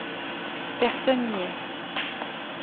Personne n'y est!